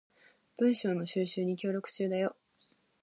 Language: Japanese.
文章の収集に協力中だよ